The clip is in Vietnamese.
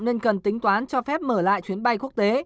nên cần tính toán cho phép mở lại chuyến bay quốc tế